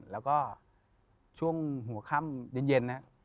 แล้วก็ช่วงหัวค่ำเย็นนะครับ